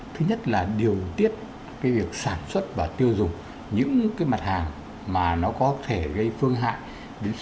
thứ nhất là điều tiết cái việc sản xuất và tiêu dùng những cái mặt hàng mà nó có thể gây phương hại